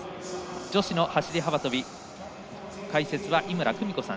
女子の走り幅跳び解説は井村久美子さん